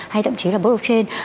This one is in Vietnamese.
hay thậm chí là blockchain